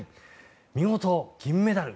見事、銀メダル。